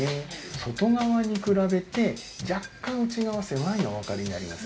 外側に比べて若干内側狭いのお分かりになります？